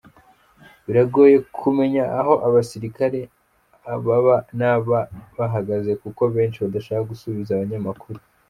Biragoye kumenya aho abasirikare aba n’aba bahagaze kuko benshi badashaka gusubiza abanyamakuru.